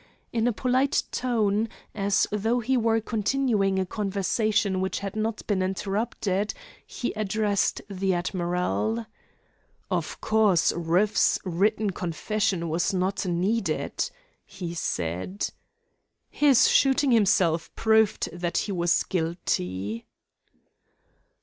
In a polite tone, as though he were continuing a conversation which had not been interrupted, he addressed the admiral. "Of course, Rueff's written confession was not needed," he said. "His shooting himself proved that he was guilty."